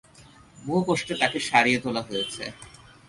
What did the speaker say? বহু কষ্টে তাকে সারিয়ে তোলা হয়েছে।